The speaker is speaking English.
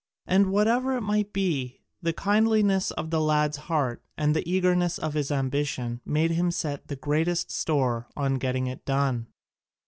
And whatever it might be, the kindliness of the lad's heart and the eagerness of his ambition made him set the greatest store on getting it done.